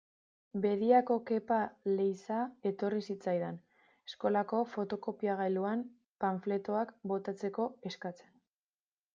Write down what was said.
Bediako Kepa Leiza etorri zitzaidan, eskolako fotokopiagailuan panfletoak botatzeko eskatzen.